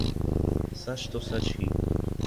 سچ تو سچ ہی